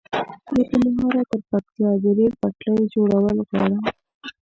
له کندهاره تر پکتيا د ريل پټلۍ جوړول غواړم